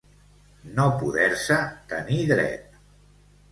No poder-se tenir dret.